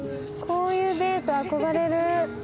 こういうデート、憧れる。